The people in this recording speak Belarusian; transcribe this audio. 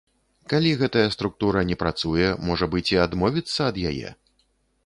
Калі гэтая структура не працуе, можа быць, і адмовіцца ад яе?